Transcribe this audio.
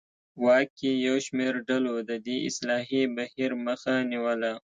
واک کې یو شمېر ډلو د دې اصلاحي بهیر مخه نیوله.